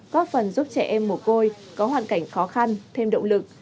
góp phần giúp trẻ em mồ côi có hoàn cảnh khó khăn thêm động lực